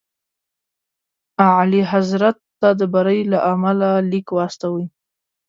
اعلیحضرت ته د بري له امله لیک واستوئ.